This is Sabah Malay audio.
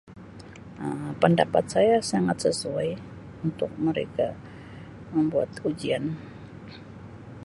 Um Pendapat saya sangat sesuai untuk mereka membuat ujian.